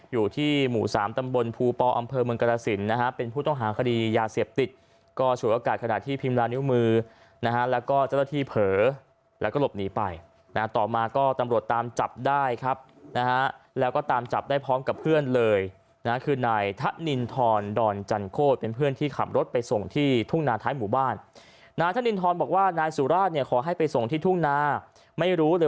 อยู่ที่หมู่๓ตำบลภูปอำเภอเมืองกรสินทร์นะฮะเป็นผู้ต้องหาคดียาเสียบติดก็ฉุดอากาศขนาดที่พิมพ์ลานิ้วมือนะฮะแล้วก็เจ้าต้นที่เผ๋อแล้วก็หลบหนีไปนะต่อมาก็ตำรวจตามจับได้ครับนะฮะแล้วก็ตามจับได้พร้อมกับเพื่อนเลยนะคือนายทะนินทร์ดอนจันโคตรเป็นเพื่อนที่ขับรถไปส่งที่ทุ่งนาท้ายหม